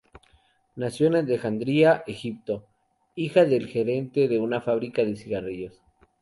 Nació en Alejandría, Egipto, hija del gerente de una fábrica de cigarrillos.